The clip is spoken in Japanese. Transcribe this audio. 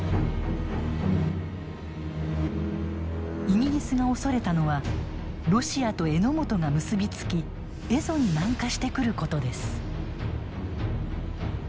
イギリスが恐れたのはロシアと榎本が結び付き蝦夷に南下してくることです。